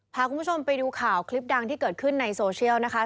พาคุณผู้ชมไปดูข่าวคลิปดังที่เกิดขึ้นในโซเชียลนะคะ